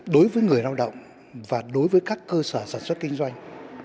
đối với người lao động và đối với các cơ sở sản xuất kinh doanh